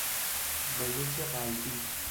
بلوک قلبی